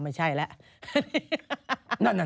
คนลุกก็เห็นหรือเปล่า